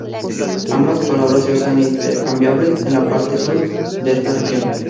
Ambas palabras se usan intercambiables en la parte sur de esta región.